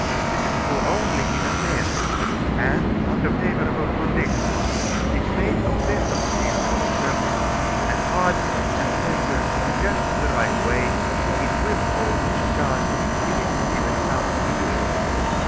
This is true only in a sense and under favorable conditions. If made of the best of steel for the purpose and hardened and tempered in just the right way, it will hold its charge if it is given something to do.